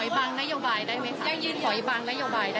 ถอยบังนโยบายได้ไหมคะ